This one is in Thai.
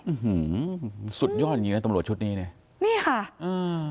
อืมสุดยอดอย่างงี้น่ะตำรวจชุดนี้เนี้ยนี่ค่ะอืม